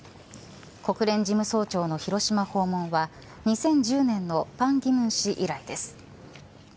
国連事務総長の広島訪問は２０１０年の潘基文氏以来です。